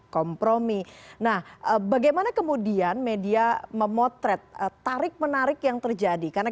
kompromi nah bagaimana kemudian media memotret tarik menarik yang terjadi karena